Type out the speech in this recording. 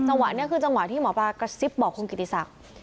จังหวะนี้คือจังหวะที่หมอปลากระซิบบอกคุณกิติศักดิ์